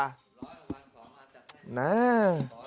ร้อยละวัน๒อาจารย์